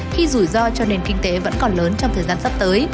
khi rủi ro cho nền kinh tế vẫn còn lớn trong thời gian sắp tới